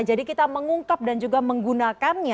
jadi kita mengungkap dan juga menggunakannya